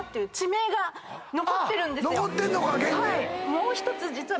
もう１つ実は。